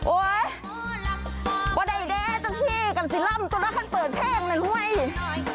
โอ๊ยว่าใดตัวที่กันสิล่ำตัวละกันเปิดเพลงนั่นเว้ย